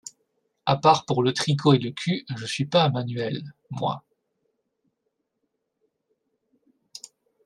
À part pour le tricot et le cul, j’suis pas un manuel, moi.